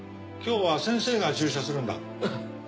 今日は先生が注射するんだ。